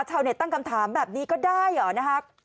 ชาวเน็ตตั้งคำถามแบบนี้ก็ได้เหรอนะครับ